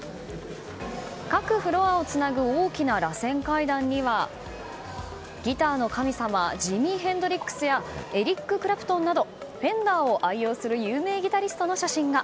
各フロアをつなぐ大きな螺旋階段にはギターの神様ジミ・ヘンドリックスやエリック・クラプトンなどフェンダーを愛用する有名ギタリストの写真が。